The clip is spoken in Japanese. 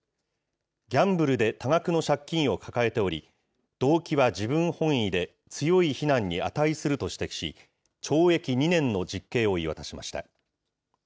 ギャンブルで多額の借金を抱えており、動機は自分本位で、強い非難に値すると指摘し、懲役２年の実刑を言い渡しました。